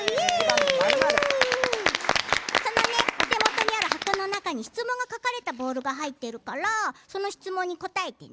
お手元にある箱の中に質問が書かれたボールが入っているからその質問に答えてね。